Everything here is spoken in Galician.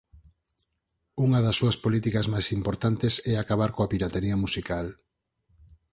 Unha das súas políticas máis importantes é acabar coa piratería musical.